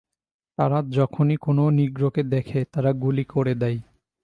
তারা যখনি কোনো নিগ্রোকে দেখে তারা গুলি করে দেয়।